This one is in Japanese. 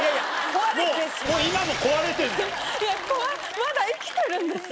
まだ生きてるんですが。